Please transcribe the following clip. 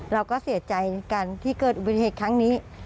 เราก็เสียใจกันที่เกิดอุบัติเหตุครั้งนี้